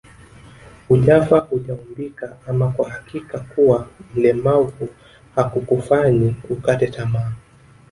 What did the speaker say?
Hujafa hujaumbika ama kwa hakika kuwa mlemavu hakukufanyi ukate tamaa